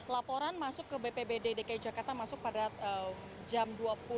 laporan masuk ke bpbd dki jakarta masuk pada jam dua puluh